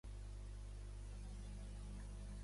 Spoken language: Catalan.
Va rebre el nom de Quaker Street Station.